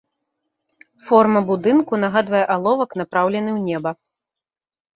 Форма будынку нагадвае аловак напраўлены ў неба.